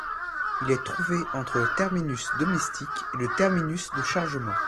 Il est trouvé entre le terminus domestique et le terminus de chargement.